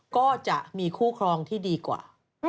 ก็จะมีคู่ครองที่ดีกว่า